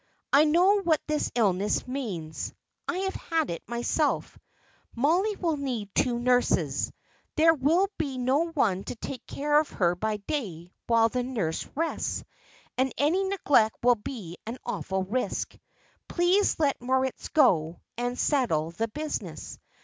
I know what this illness means I have had it myself Mollie will need two nurses; there would be no one to take care of her by day while the nurse rests, and any neglect would be an awful risk. Please let Moritz go and settle the business.